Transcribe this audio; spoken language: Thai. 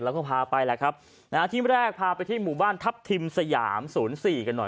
แล้วก็พาไปแหละครับนะฮะที่แรกพาไปที่หมู่บ้านทัพทิมสยามศูนย์สี่กันหน่อย